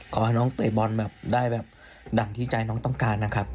ขอให้น้องเตะบอลแบบได้แบบดั่งที่ใจน้องต้องการนะครับ